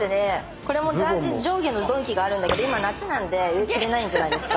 これもジャージー上下のドンキがあるんだけど夏なんで着れないじゃないですか。